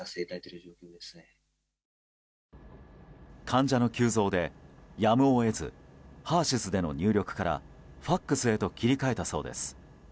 患者の急増でやむを得ずＨＥＲ‐ＳＹＳでの入力からＦＡＸへと切り替えたそうです。